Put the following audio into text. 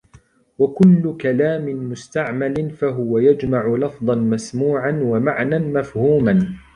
وَكُلُّ كَلَامٍ مُسْتَعْمَلٍ فَهُوَ يَجْمَعُ لَفْظًا مَسْمُوعًا وَمَعْنًى مَفْهُومًا